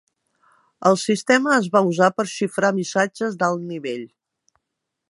El sistema es va usar per xifrar missatges d'alt nivell.